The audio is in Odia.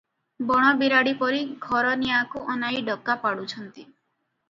ବଣ ବିରାଡ଼ି ପରି ଘରନିଆଁକୁ ଅନାଇ ଡକା ପାଡୁଛନ୍ତି ।